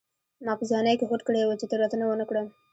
ما په ځوانۍ کې هوډ کړی و چې تېروتنه ونه کړم.